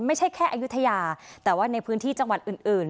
ไม่ใช่แค่อายุทยาแต่ว่าในพื้นที่จังหวัดอื่น